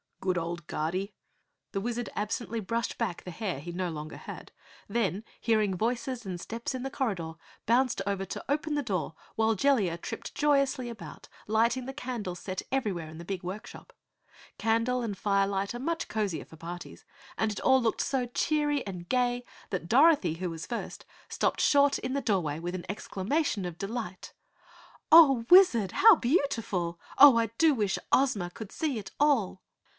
"Good old Guardy!" The Wizard absently brushed back the hair he no longer had, then, hearing voices and steps in the corridor, bounced over to open the door while Jellia tripped joyously about, lighting the candles set everywhere in the big work shop. Candle and fire light are much cozier for parties, and it all looked so cheery and gay that Dorothy, who was first, stopped short in the doorway with an exclamation of delight. "Oh, Wizard! How beautiful! Oh, how I do wish Ozma could see it all!"